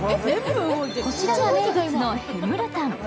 こちらが名物のヘムルタン。